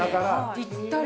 ぴったり。